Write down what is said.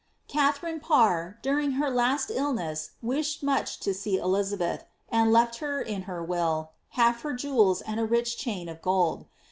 Katharine Farr, during her last illness, wished much to see Elizabeth, and left her, in her will, half her jewels, and a rich chain of gold.